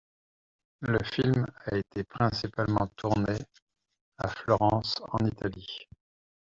Le film a été principalement tourné à Florence en Italie.